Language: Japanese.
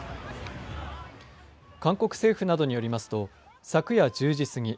韓国政府などによりますと昨夜１０時過ぎ